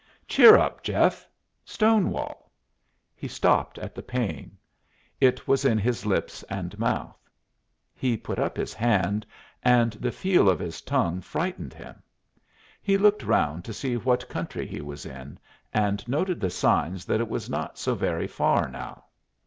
"Cheer up, Jeff! Stonewall!" He stopped at the pain. It was in his lips and mouth. He put up his hand, and the feel of his tongue frightened him. He looked round to see what country he was in, and noted the signs that it was not so very far now.